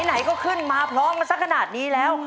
ไหนก็ขึ้นมาพร้อมกันสักขนาดนี้แล้ว